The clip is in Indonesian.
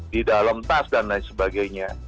di dalam tas dan lain sebagainya